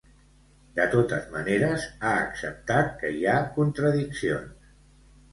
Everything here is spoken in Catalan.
De totes maneres, ha acceptat que hi ha "contradiccions".